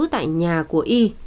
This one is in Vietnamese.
tại nhà của y